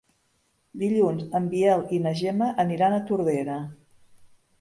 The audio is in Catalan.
Dilluns en Biel i na Gemma aniran a Tordera.